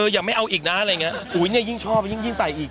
ยังไม่เอาอีกนะอะไรอย่างนี้ยิ่งชอบยิ่งใส่อีก